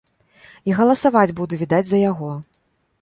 І галасаваць буду, відаць, за яго.